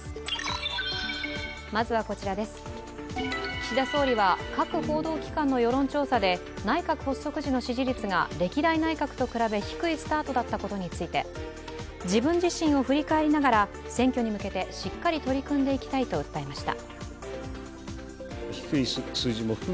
岸田総理は各報道機関の世論調査で内閣発足時の支持率が歴代内閣と比べ低いスタートだったことについて自分自身を振り返りながら選挙に向けてしっかり取り組んでいきたいと訴えました。